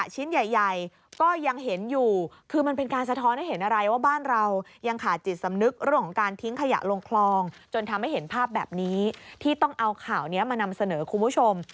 จนทำให้เห็นภาพแบบนี้ที่ต้องเอาข่าวนี้มานำเสนอคุณผู้ชม